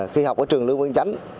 khi học ở trường lương văn chánh